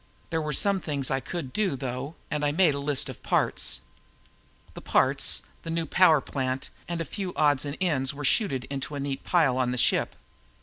There were some things I could do, though, and I made a list of parts. The parts, the new power plant and a few other odds and ends were chuted into a neat pile on the ship.